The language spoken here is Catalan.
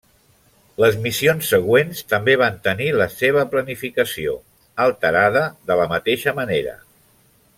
Les missions següents també van tenir la seva planificació alterada de la mateixa manera.